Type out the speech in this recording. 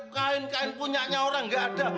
kain kain punya orang gak ada